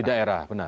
di daerah benar